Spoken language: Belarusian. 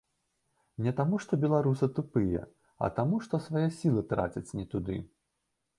Не таму, што беларусы тупыя, а таму што свае сілы трацяць не туды.